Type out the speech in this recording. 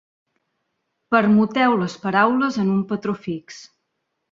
Permuteu les paraules en un patró fix.